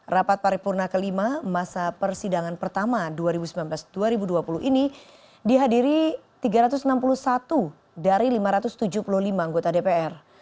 rapat paripurna kelima masa persidangan pertama dua ribu sembilan belas dua ribu dua puluh ini dihadiri tiga ratus enam puluh satu dari lima ratus tujuh puluh lima anggota dpr